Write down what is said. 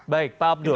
baik pak abdul